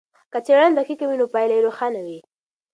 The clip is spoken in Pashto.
که څېړنه دقیقه وي نو پایله یې روښانه وي.